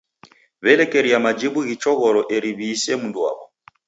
W'elekeria majibu ghichoghoro eri w'iise mndu waw'o.